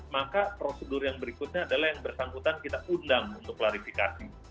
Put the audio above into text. maka prosedur yang berikutnya adalah yang bersangkutan kita undang untuk klarifikasi